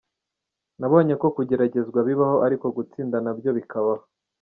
Nabonye ko kugeragezwa bibaho ariko gutsinda na byo bikabaho.